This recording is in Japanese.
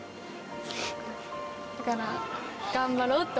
だから頑張ろうって。